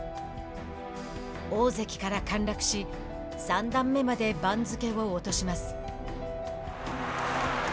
大関から陥落し三段目まで番付を落とします。